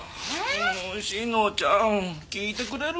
志乃ちゃん聞いてくれる？